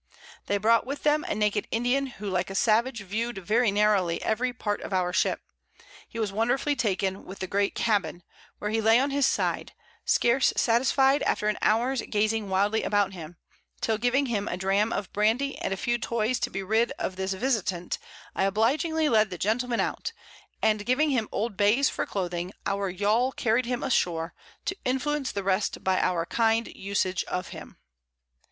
They brought with them a naked Indian, who like a Savage view'd very narrowly every Part of our Ship; he was wonderfully taken with the Great Cabbin, where he lay on his Side, scarce satisfy'd after an Hour's gazing wildly about him, till giving him a Dram of Brandy, and a few Toys to be rid of this Visitant, I obligingly led the Gentleman out, and giving him old Bays for Clothing, our Yall carried him ashore, to influence the rest by our kind Usage of him.